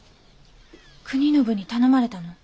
国宣に頼まれたの？